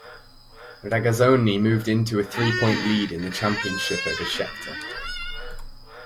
Regazzoni moved into a three-point lead in the championship over Scheckter.